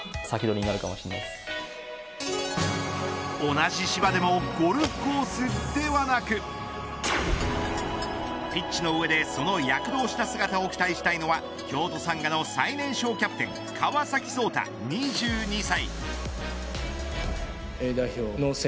同じ芝でもゴルフコースではなくピッチの上でその躍動した姿を期待したいのは京都サンガの最年少キャプテン川崎颯太２２歳。